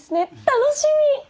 楽しみ。